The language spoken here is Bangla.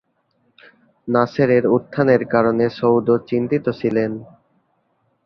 নাসেরের উত্থানের কারণে সৌদ চিন্তিত ছিলেন।